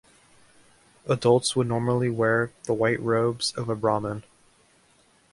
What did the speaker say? Adults would normally wear the white robes of a Brahmin.